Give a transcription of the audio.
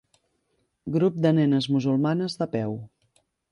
Grup de nenes musulmanes de peu.